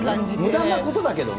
むだなことだけどね。